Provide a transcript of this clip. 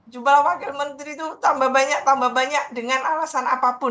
jumlah wakil menteri itu tambah banyak tambah banyak dengan alasan apapun